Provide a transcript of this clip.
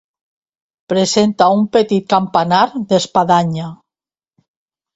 Presenta un petit campanar d'espadanya.